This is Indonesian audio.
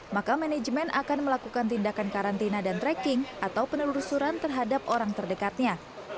maka manajemen akan melakukan tindakan karantina dan tracking atau penelusuran terhadap orang terdekatnya